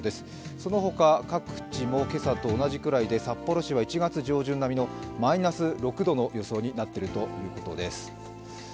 その他、各地も今朝と同じくらいで札幌市は１月上旬並みのマイナス６度の予想になっているということです。